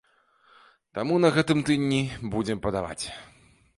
Таму на гэтым тыдні будзем падаваць.